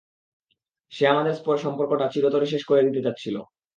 সে আমাদের সম্পর্কটা চিরতরে শেষ করে দিতে চাচ্ছিল।